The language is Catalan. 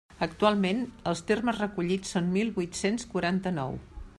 Actualment, els termes recollits són mil vuit-cents quaranta-nou.